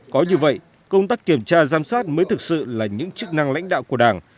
có như vậy công tác kiểm tra giám sát mới thực sự là những chức năng lãnh đạo của đảng